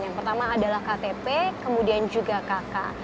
yang pertama adalah ktp kemudian juga kk